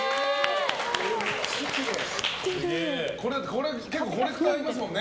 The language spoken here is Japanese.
これ、結構コレクターいますもんね。